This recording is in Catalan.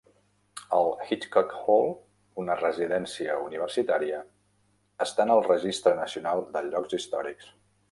El Hitchcock Hall, una residència universitària, està en el Registre Nacional de Llocs Històrics.